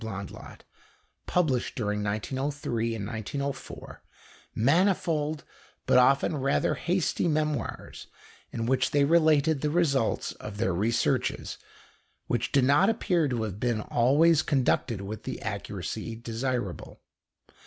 Blondlot, published during 1903 and 1904 manifold but often rather hasty memoirs, in which they related the results of their researches, which do not appear to have been always conducted with the accuracy desirable.